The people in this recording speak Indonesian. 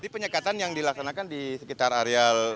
penyekatan yang dilaksanakan di sekitar areal